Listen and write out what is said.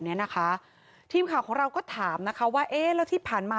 เนี้ยนะคะทีมข่าวของเราก็ถามนะคะว่าเอ๊ะแล้วที่ผ่านมา